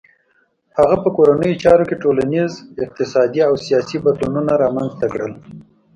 هغه په کورنیو چارو کې ټولنیز، اقتصادي او سیاسي بدلونونه رامنځته کړل.